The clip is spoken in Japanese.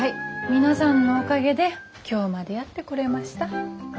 皆さんのおかげで今日までやってこれました。